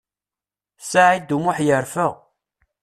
Saɛid U Muḥ yerfa.